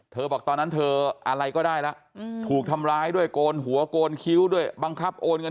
บอกตอนนั้นเธออะไรก็ได้แล้วถูกทำร้ายด้วยโกนหัวโกนคิ้วด้วยบังคับโอนเงิน